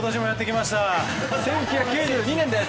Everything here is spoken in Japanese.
１９９２年です。